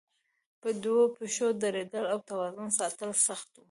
په دوو پښو درېدل او توازن ساتل سخت وو.